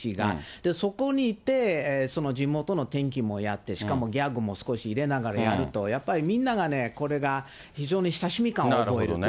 そこに行って、地元の天気もやって、しかもギャグも少し入れながらやると、やっぱりみんながね、これが非常に親しみ感を覚えると。